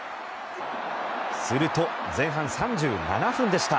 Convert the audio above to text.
すると、前半３７分でした。